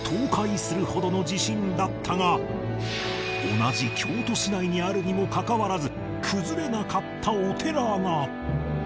同じ京都市内にあるにもかかわらず崩れなかったお寺が